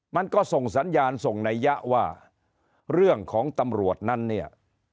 มันก็ส่งสัญญาณส่งนัยยะว่าเรื่องของตำรวจนั้นเนี่ย